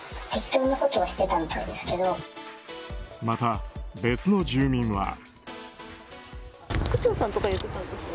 また、別の住民は。